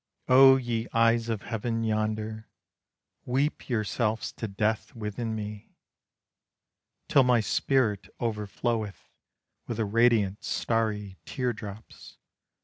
Oh ye eyes of heaven yonder, Weep yourselves to death within me! Till my spirit overfloweth With the radiant starry tear drops.